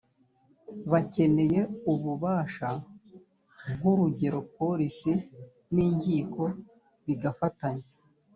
bakeneye ububasha nk urugero polisi n inkiko bigafatanya